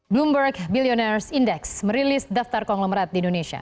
bloomberg bilionaires index merilis daftar konglomerat di indonesia